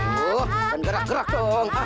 loh dan gerak gerak dong